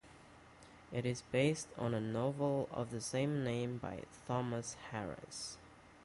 It is based on the novel of the same name by Thomas Harris.